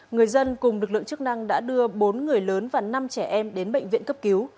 người dân cùng lực lượng chức năng đã đưa bốn người lớn và năm trẻ em đến bệnh viện cấp cứu